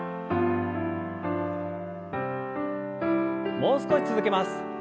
もう少し続けます。